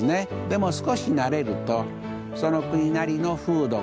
でも少し慣れるとその国なりの風土がある。